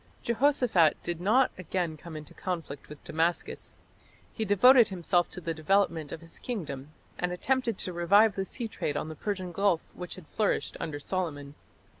Jehoshaphat did not again come into conflict with Damascus. He devoted himself to the development of his kingdom, and attempted to revive the sea trade on the Persian gulf which had flourished under Solomon.